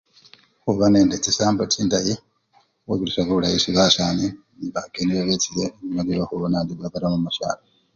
Khuba nende chisambo chindayi, khukhwibirisya bulayi esii basani ne bakeni babechile niobera khubona nandi barama musyalo.